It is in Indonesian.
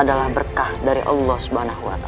adalah berkah dari allah swt